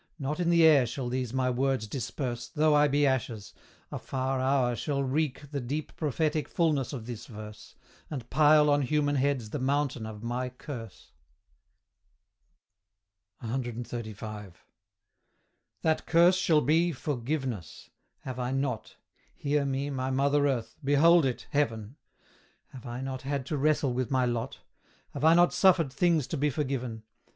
Not in the air shall these my words disperse, Though I be ashes; a far hour shall wreak The deep prophetic fulness of this verse, And pile on human heads the mountain of my curse! CXXXV. That curse shall be forgiveness. Have I not Hear me, my mother Earth! behold it, Heaven! Have I not had to wrestle with my lot? Have I not suffered things to be forgiven?